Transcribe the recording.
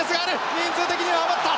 人数的には余った。